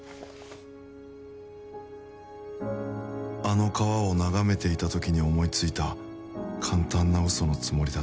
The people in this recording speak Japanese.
あの川を眺めていたときに思い付いた簡単な嘘のつもりだった